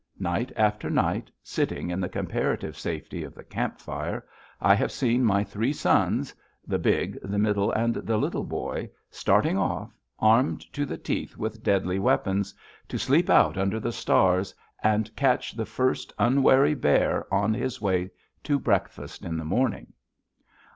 Night after night, sitting in the comparative safety of the camp fire, I have seen my three sons, the Big, the Middle, and the Little Boy, starting off, armed to the teeth with deadly weapons, to sleep out under the stars and catch the first unwary bear on his way to breakfast in the morning.